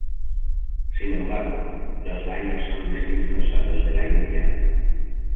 Sin embargo, los bailes son distintos a los de la India.